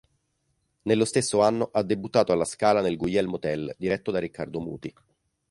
Nello stesso anno ha debuttato alla Scala nel "Guglielmo Tell", diretto da Riccardo Muti.